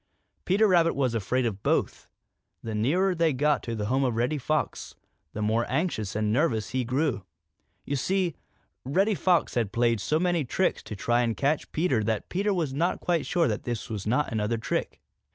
Peter Rabbit was afraid of both. The nearer he got to the home of Reddy Fox, the more anxious and nervous he grew. You see, Reddy Fox had played so many tricks to try and catch Peter that Peter was not quite sure that this was not another trick.